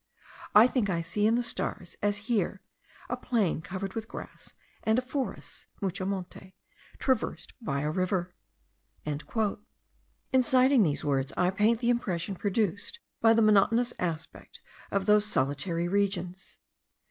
I think I see in the stars, as here, a plain covered with grass, and a forest (mucho monte) traversed by a river." In citing these words I paint the impression produced by the monotonous aspect of those solitary regions.